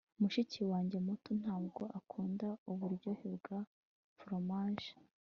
mushiki wanjye muto ntabwo akunda uburyohe bwa foromaje